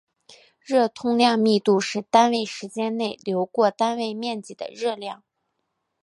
热通量密度是单位时间内流过单位面积的热量。